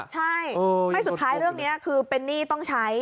ใช่ไม่สุดท้ายเรื่องนี้คือเป็นหนี้ต้องใช้